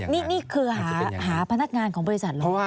นี่คือหาพนักงานของบริษัทเหรอ